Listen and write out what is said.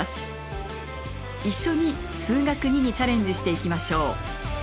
一緒に「数学Ⅱ」にチャレンジしていきましょう。